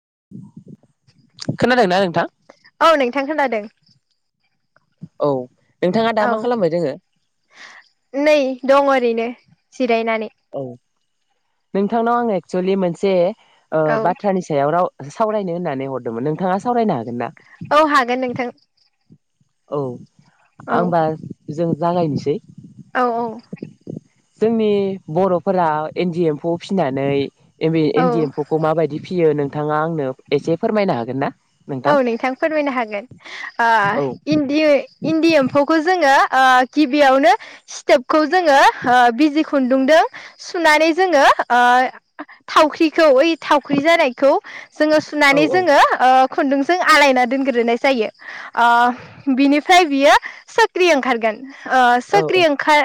[inaudible] खोनादोंना नोंथां? औ नोंथां खोनादों औ नोंथाङा दा औ मा खालामबाय दोङो? नै दं ओरैनो जिरायनानै औ नोंथांनाव आङो एक्सुलि मोनसे ओ औ बाथ्रानि सायाव राव सावरायनो होननानै हरदोंमोन नोंथाङा सावरायनो हागोन ना औ हागोन नोंथां औ औ आंबा जों जागायनोसै औ औ जोंनि बर'फोरा एनदि एम्फौ फिनानै एमि औ एनडि एम्फौ खौ माबायदि फियो नों नोंथाङा आंनो एसे फोरमायनो हागोन ना? औ नोंथां फोरमायनो हागोन ओ औ इन्दि इन्दि एम्फौखौ जोङो ओ गिबियावनो स्टेपखौ जोङो ओ बिजि खुन्दुंदों सुनानै जोङो ओ थावख्रिखौ ओइ थावख्रि जानायखौ जोङो औ सुनानै औ जोङो ओ खुन्दुंजों आलायना दोनग्रोनाय जायो ओ बिनिफ्राय बियो सोख्रि ओंखारगोन ओ औ सोक्रि ओंखार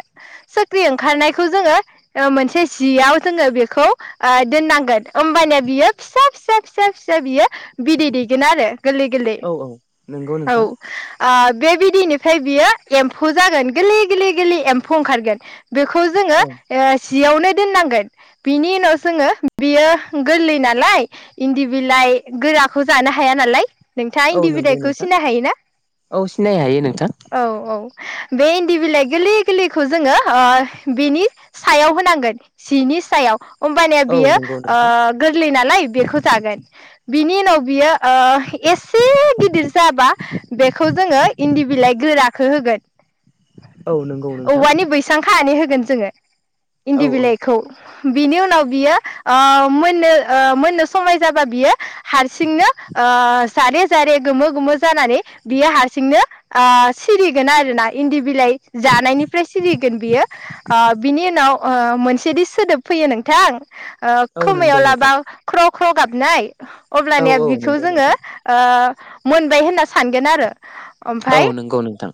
सोख्रि ओंखारनायखौ जोङो ओ मोनसे जियाव जोङो बेखौ ओ दोननांगोन होमबानिया बियो फिसा फिसा फिसा फिसा बियो बिदै दै आरो गोरलै गोरलै औ औ नंगौ औ नोंथां ओ बे बिदैनिफ्राय बियो एम्फौ जागोन गोरलै गोरलै गोरलै एम्फौ ओंखारगोन बेखौ जोङो औ जियावनो दोननांगोन बिनि उनाव जोङो बियो गोरलै नालाय इन्दि बिलाइ गोराखौ जानो हाया नालाय नोंथाङा औ इन्दि नंगौ बिलाइखौ नोंथां सिनाय हायोना औ सिनाय हायो नोंथां। औ औ बे इन्दि बिलाइ गोरलै गोरलैखौ ओ जोङो बिनि सायाव होनांगोन जिनि सायाव ओमबानिया औ बियो नंगौ ओ नोंथां गोरलै नालाय बेखौ जागोन बिनि उनाव बियो ओ एसे गिदिर जाबा बेखौ जोङो इन्दि बिलाइ गोराखो होगोन औ नंगौ नोंथां औवानि बैसां खानानै होगोन जोङो औ इन्दि औ बिलाइखौ बिनि उनाव बियो ओ मोननो ओ मोननो समाय जाबा बियो हार जारे जारे गोमो गोमो जानानै बियो हारसिंनो ओ सिरिगोन आरोना इन्दि बिलाइ जानायनिफ्राय सिरिगोन बियो ओ बिनि उनाव ओ मोनसेदि सोदोब फैयो नोंथां ओ औ नंगौ खोमायाव नोंथां लाबा ख्र ख्र गाबनाय औ अब्लानिया बिखौ नंगौ जोङो नोंथां ओ मोनबाय होनना सानगोन आरो औ ओमफाय नोंगौ नोंथां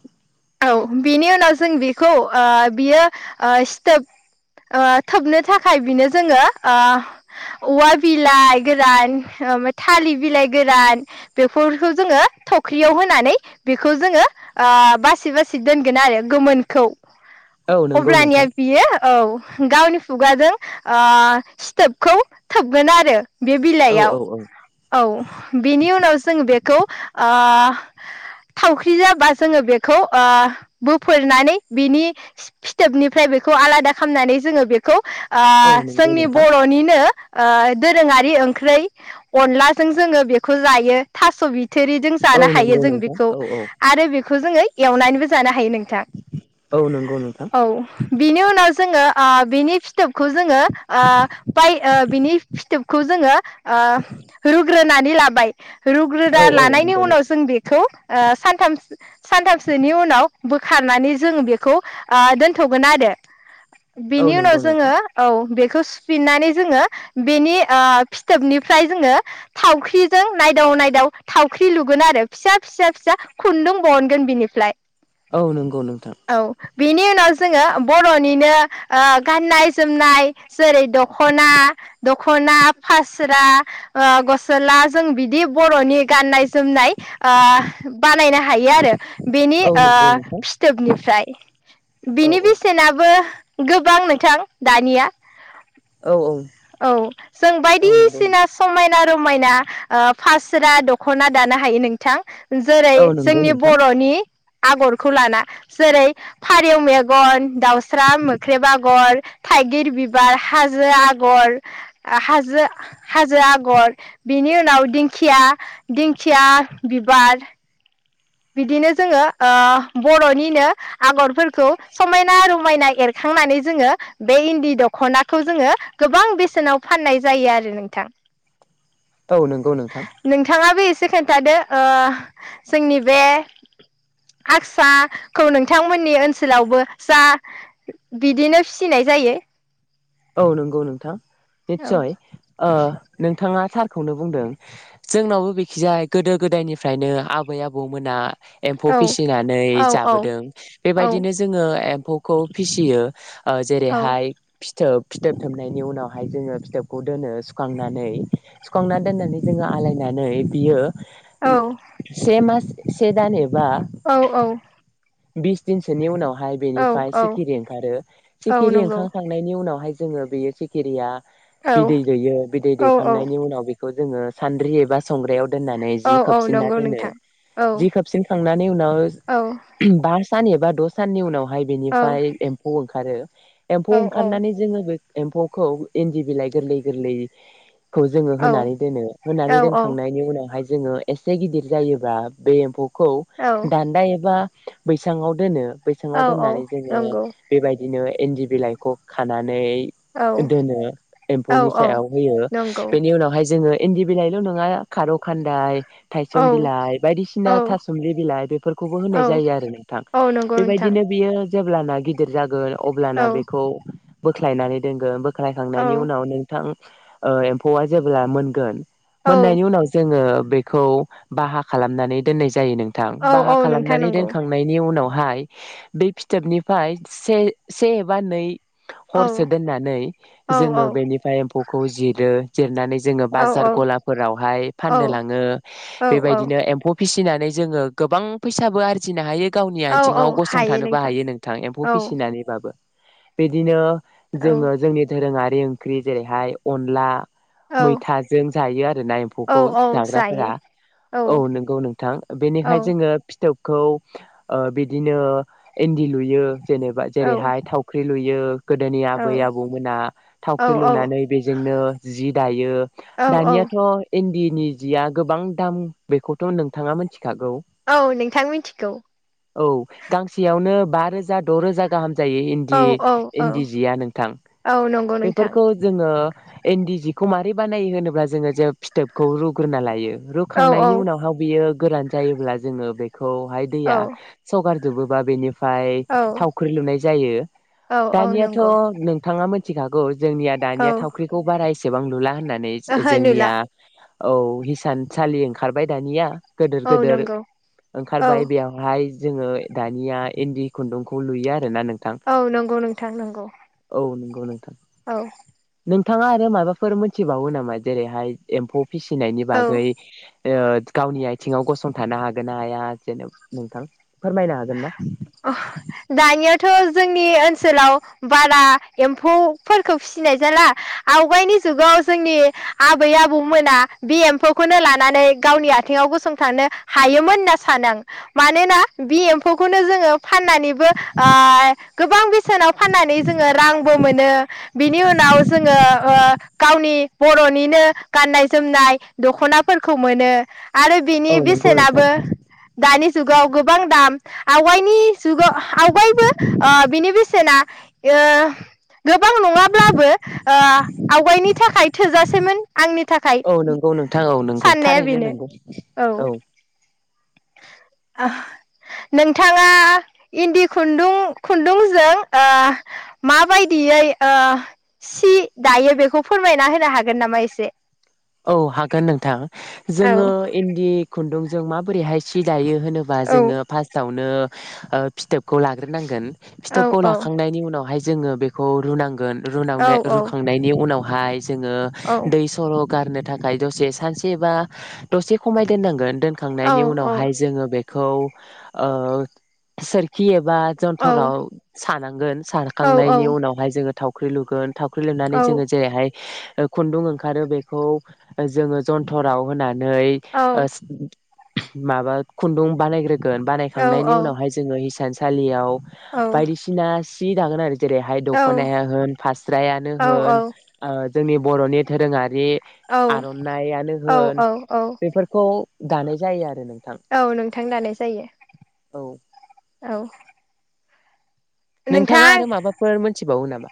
औ बेनि उनाव जों बेखौ ओ बियो ओ सिथोब ओ थोबनो थाखाय बिनो जोङो ओ औवा बिलाइ गोरान ओ थालिर बिलाइ गोरान बेफोरखौ जोङो थख्रियाव होनानै बेखौ जोङो ओ बासि बासि दोनगोन आरो गोमोनखौ औ नंगौ अब्लानिया नोंथां बियो औ गावनि खुगाजों ओ सिथोबखौ थोबगोन आरो बे औ बिलाइआव औ औ बिनि उनाव जोङो बेखौ ओ थावख्रि जाबा जोङो बेखौ ओ बोफोरनानै बिनि फिथोबनिफ्राय बेखौ आलादा खालामनानै जोङो बेखौ ओ औ नंगौ जोंनि नोंथां बर'निनो ओ दोरोङारि ओंख्रै अनलाजों जोङो बेखौ जायो थास' बिथ थोरिजों औ जानो हायो नंगौ जों नोंथां बेखौ औ औ आरो बेखौ जोङो एवनानैबो जानो हायो नोंथां औ नंगौ नोंथां औ बिनि उनाव जोङो ओ बिनि फिथोबखौ जोङो ओ बाय ओ बिनि फिथोबखौ जोङो ओ रुग्रोनानै लाबाय रुग्रोना औ औ लानायनि नंगौ नोंथां उनाव जों बेखौ ओ सानथाम सानथामसोनि उनाव बोखारनानै जों बेखौ ओ दोनथ'गोन आरो औ बेनि उनाव नंगौ जोङो नोंथां औ बे खौ सुफिननानै जोङो बेनि ओ फिथोबनिफ्राय जोङो थावख्रिजों नायदाव नायदाव थावख्रि लुगोन आरो फिसा फिसा फिसा खुन्दुं बहनगोन बिनिफ्राय औ नंगौ नोंथां बिनि उनाव जोङो बर'निनो ओ गाननाय जोमनाय जेरै दख'ना दख'ना फास्रा ओ गसला जों बिदि बर'नि गाननाय जो जोमनाय ओ बानायनो हायो आरो बेनि औ ओ नंगौ नोंथां फिथोबनिफ्राय औ बिनि औ बेसेनाबो गोबां नोंथां दानिया औ औ औ जों औ नंगौ नोंथां बायदिसिना समायना समायना रमायना ओ फास्रा दख'ना दानो हायो नोंथां जेरै औ नंगौ जोंनि नोंथां बर'नि आगरखौ लाना जेरै फारौ मेगन दाउस्रा मोख्रेब आगर थाइगिर बिबार हाजो आगर आगर हाजो हाजो आगर बेनि उनाव दिंखिया दिंखिया बिबार बिदिनो जोङो ओ बर'निनो आगरफोरखौ समायना रमाय समायना एरखांनानै जोङो बे इन्दि दख'नाखौ जोङो गोबां बेसेनाव फाननाय जायो आरो नोंथां औ नंगौ नोंथां से खोन्थादो ओ जोंनि बे आक्साखौ नोंथांमोननि ओनसोलावबो जा बिदिनो फिसिनाय जायो औ नंगौ नोंथां औ निसय आ नोंथाङा थारखौनो बुंदों जोंनावबो बेखिजाया गोदो गोदायनिफ्रायनो आबै आबौमोना एम्फौ औ फिसिनानै औ जाबोदों औ बेबायदिनो जोङो ए एम्फौखौ फिसियो ओ औ जेरैहाय फिथोब फिथोब थोबनायनि उनावहाय जोङो फिथोबखौ दोनो सुखांनानै सुखांना दोननानै जोङो आलायनानै बियो औ से मास से दान एबा औ औ बिस दिन सोनि उनाव हायो औ बेनिफ्राय औ सिखिरि ओंखारो औ सिखिरि नंगौ ओंखार [unintelligible] उनावहाय जोङो बेयो सेकेरिया औ बिदै दैयो बिदै औ औ दैखांनायनि उनाव बे जोङो सानद्रि एबा संग्रायाव दोननानै औ जि औ खोबसिना नंगौ दोनो नोंथां औ जि खोबसिन खांनानै उनाव औ [unintelligible] सान एबा द' साननि उनाव औ बेनिफ्राय एम्फौ ओं आरो एम्फौ औ औ ओंखारनानै जोङो एम्फौखौ इन्दि बिलाइ गोरलै गोरलै खौ जोङो औ होनानै दोनो होनानै औ दोनखांनायनि उनावहाय जोङो एसे गिदिर जायोब्लाा बे एम्फौ खौ औ दान्दा एबा बैसाङाव दोनो औ बैसाङाव औ दोननानै जोङो नंगौ बेबायदि बिदिनो इन्दि बिलाइखौ खाना नै औ दोनो औ एमफौनि औ सायाव होयो नंगौ बेनि उनावहाय जोङो इन्दि बिलाइल' नङा खारौ खान्दाय थायसुम औ बिलाइ औ बायदिसिना थासुमलि बिलाइ बेफोरखौबो होनाय औ जायो आरो नोंथां औ नंगौ नोंथां बेबायदिनो बियो जेब्लाना गिदिर जागोन अब्लाना औ बेखौ बोख्लायनानै दोनगोन बोख्लायखांनायनि औ उनाव नोंथां एम्फौआ ओ जेब्ला मोनगोन औ मोननायनि उनाव जोङो बेखौ बाहा खालामनानै दोननाय जायो जायो नोंथां औ बाहा औ नोंथां खालामनानै नंगौ दोनखांनायनि उनाव हाय बे फिथोबनिफ्राय से से एबा नै हरसो औ दोननानै औ जोङो बेनिफ्राय एम्फौखौ जिरो जिरनानै जोङो औ बाजार गलाफोरावहाय औ फाननो लाङो औ बेबायदिनो एम्फौ फिसिनानै जोङो गोबां फैसाबो आरजिनो हायो गावनि औ औ आथिंआव हायो गसंथानोबो हायो नोंथां औ एम्फौ फिसिनानैबाबो बिदिनो औ जोङो जोंनि धोरोङारि खारदै ओंख्रि जेरैहाय अनला औ मैथाजों जायो आरो आरो ना औ एम्फौखौ औ जाग्राफोरा जायो औ नंगौ नोंथां औ बेनिखाय जोङो फिथोबखौ ओ बिदिनो इन्दि लुयो जेनेबा औ जेरैहाय थावख्रि लुयो गोदोनि आबै औ आबौमोना थावख्रि लुनानै बेजोंनो जि दायो औ औ दानियाथ' इन्दिनि जिया गोबां दाम बेखौथ' नोंथाङा मिथि औ नोंथां मिथिगौ औ गांसेयावनो बा रोजा द' रोजा गाहाम जायो इदि औ औ औ इन्दि जिया नोंथां औ नंगौ नोंथां बेफोरखौ जोङो इन्दि जिखौ मारै बानायो होनोब्ला जोङो जे फिथोबखौ रुग्रोना लायो औ औ रुखांनायनि उनावहा बियो गोरान जायोब्ला जोङो बे खौ हाय दैया औ सगार जोबोबा बेनि ओमफाय औ थावख्रि लुनाय जायो औ औ दानियाथ' नंगौ नोंथाङा मोनथिखागौ जोंनिया औ दानिया थावख्रिखौ बाराय एसे बां लुला होन नानै ओहो नुला जोंनिया औ हिसानसालि ओंखारबाय दानिया गोदोर औ गोदोर नंगौ औ ओंखारबाय बेयावहाय जोङो दानिया इन्दि खुन्दुंखौ लुयो आ रो ना नोंथां गौ नोंथां नंगौ औ नंगौ नोंथां औ नोंथाङा आरो माबाफोर मोनथिबावो नामा जेरैहाय एम्फौ फिसिनायनि औ बागै ओ गावनि आथिङाव गसंथानो हागोन ना हाया जेनब नोंथां फोरमायनो हागोन ना? अ दानिया थ' जोंनि ओनसोलाव बारा एम्फौफोरखौ फिसिनाय जाला आवगायनि जुगाव जोंनि आबै आबौमोना बे एम्फौखौनो लानानै गावनि आथिङाव गसंथानो हायोमोन होनना सानो आं मानोना बे एम्फौखौ खौनो जोङो फाननानैबो ओ गोबां बे सेनाव फाननानै जोङो रांबो मोनो बिनि उनाव जोङो ओ गावनि बर'निनो गाननाय जोमनाय दख'नाफोरखौ मोनो आरो औ बिनि नंगौ नोंथां बेसेनाबो दानि जुगाव गोबां दाम आवगायनि जुगाव आवगायबो ओ बिनि बेसेना ओ गोबां नङाब्लाबो ओ आवगायनि थाखाय थोजासेमोन आंनि थाखाय औ नंगौ नोंथां औ नंगौ साननाया थारैनो बेनो नंगौ औ ओ नोंथाङा इन्दि खुन्दुं खुन्दुंजों ओ माबायदियै ओ सि दायो बेखौ फोरमायना होनो हागोन नामा एसे औ हागोन नोंथां औ जोङो इन्दि खुन्दुं जों माबोरै हाय सि दायो होनोबा औ जोङो फास्टआव नो ओ फिथोब खौ लाग्रोनांगोन औ फिथोबखौ औ लाखांनायनि उनावहाय जोङो बेखौ रुनांगोन औ रुनावनो रुखांनायनि उनावहाय जोङो औ दै सर' गारनो थाखाय दसे सानसे बा दसे खमाय दोननांगोन औ दोनखांनायनि उनावहाय जोङो बे खौ ओ सोरखि एब बा औ जन्थराव सानांगोन औ सारखांनायनि उनावहाय जोङो थाव ख्रिलुगोन थावख्रि औ लुनानै जोङो जेरैहाय ओ खुन्दुं ओंखारो बे खौ जोङो जन्थराव होनानै नै ओ माबा खुन्दुं बानायग्रो गोन बानायखांनायनि उनावहाय जोङो इंसान सा सालियाव बायदिसिना सि दागोन आरो जेरैहाय औ दख'नाया होन फास्रायानो औ होन औ ओ जोंनि बर'नि दोरोङारि औ आर'नाइयानो औ होन औ औ बेफोरखौ दानाय जायो आरो नों औ नोंथां दानाय जायो औ औ। नोंथां नोंथाङा आरो माबाफोर मोनथिबावो नामा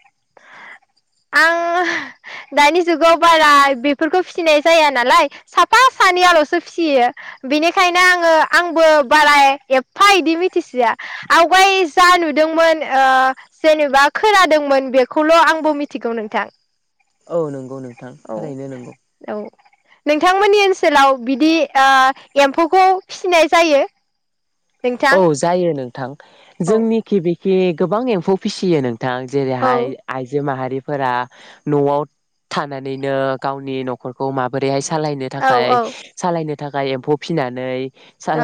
आं दानि जुगाव बारा बेफोरखौ फिसिनाय जाया नालाय साफा सानैयाल'सो फिसियो बिनिखायनो आङो आंबो बारा एफा इदि मिथिसोया आवगाय जा नुदोंमोन ओ जेनेबा खोनादोंमोन बेखौल' आंबो मिथ थिगौ नोंथां औ नोंगौ नोंथां औ थारैनो नोंगौ। औ नोंथांमोननि ओनसोलाव बिदि ओ एम्फौखौ फिसिनाय जायो। नोंथां औ जायो नों औ जोंनि गिबि खि गोबां एम्फौ फिसियो नों थां औ जेरैहाय आइजो माहारि बेफोरा न'आव थानानैनो गावनि' नखरखौ माबोरैहाय स सालायनो औ थाखाय औ सालायनो थाखाय एम्फौ फिनानै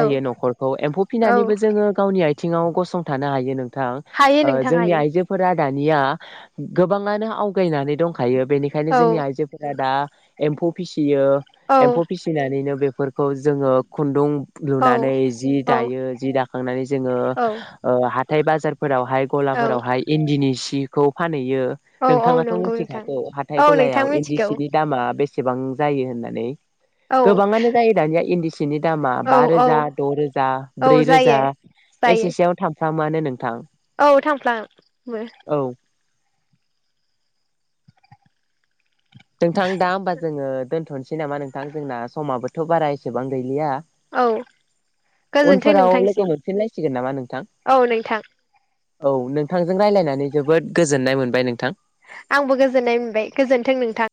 औ न'खरखौ एम्फौ औ फिनानैबो जोङो गावनि नि आइथिं आव गसंथानो हायो नों थां हायो ओ नोंथां जोंनि हायो आइजोफोरा दानिया गोबाङानो आवगायनानै दंखा हायो बेनिखायनो औ जोंनि आइजोफोरा दा एम्फौ फिस यो औ एम्फौ फिसिनानैनो बे फोरखौ जोङो खुन्दुं औ लुनानै जि औ दायो जि दाखांनानै जोङो ओ हाथ थाय बाजार फोरावहाय औ गलाफोरावहाय इन्दिनि सि खौ फानै यो औ औ नोंथाङाथ' नंगौ मिथि नोंथां खाखौ हाथाय औ गलायाव नोंथां इन्दि मिथिगौ सिनि दामा बेस सेबां जायो होननानै औ गोबाङानो जायो दानिया इन्दि सि बिनि दामा औ बा औ रोजा द' रो जा औ ब्रै रोजा जायो ए जायो से सेआव था फ्रा मानो नोंथां औ थांफ्लां मो औ नोंथां दा होमबा जोङो दोनथ'नोसै नामा नोंथां जोंना समाबो थ' बारा एसेबां गैलिया औ गोजोनथों उनफोराव लोगो नोंथांसिम मोनफिनलायसिगोन नामा नोंथां औ नोंथां औ नोंथांजों रायलायनानै जोबोद गोजोननाय मोनबाय नोंथां आंबो गोजोननाय मोनबाय गोजोन्थों नोंथां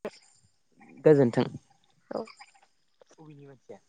गोजोन्थों औ उबिनि मानसिया